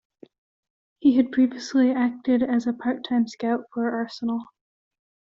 He had previously acted as a part-time scout for Arsenal.